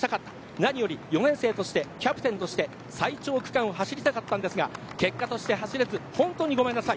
なにより４年生としてキャプテンとして最長区間を走りたかったんですが結果として走れず本当にごめんなさい。